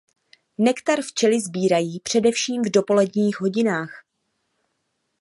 Nektar včely sbírají především v dopoledních hodinách.